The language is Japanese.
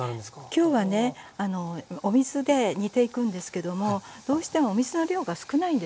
できょうはねお水で煮ていくんですけどもどうしてもお水の量が少ないんですね。